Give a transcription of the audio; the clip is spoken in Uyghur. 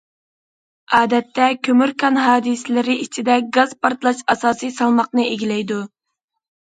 ئادەتتە، كۆمۈر كان ھادىسىلىرى ئىچىدە گاز پارتلاش ئاساسىي سالماقنى ئىگىلەيدۇ.